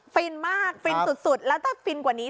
ฟินมากฟินสุดแล้วถ้าฟินกว่านี้